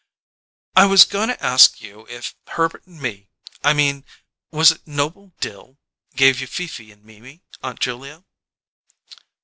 "I was going to ask you if Herbert and me I mean: Was it Noble Dill gave you Fifi and Mimi, Aunt Julia?"